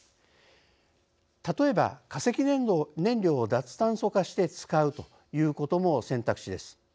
例えば、化石燃料を脱炭素化して使うということも選択肢です。